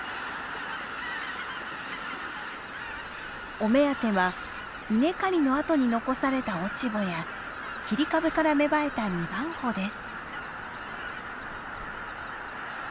お目当ては稲刈りのあとに残された落ち穂や切り株から芽生えた二番穂です。